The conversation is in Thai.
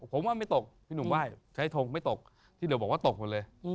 ปมน้ำไม่ตกชลายทรงไม่ตกเดี๋ยวบอกว่าตกหมดเลย